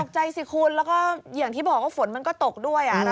ใจสิคุณแล้วก็อย่างที่บอกว่าฝนมันก็ตกด้วย